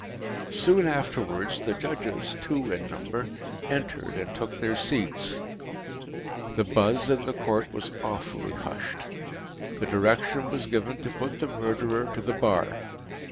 Soon afterwards the Judges, two in number, entered, and took their seats. The buzz in the Court was awfully hushed. The direction was given to put the Murderer to the bar.